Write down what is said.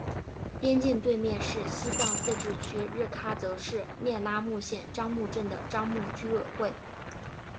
边境对面是西藏自治区日喀则市聂拉木县樟木镇的樟木居委会。